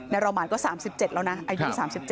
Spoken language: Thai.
รอมานก็๓๗แล้วนะอายุ๓๗